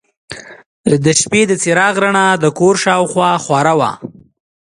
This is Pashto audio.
د شپې د څراغ رڼا د کور شاوخوا خورې وه.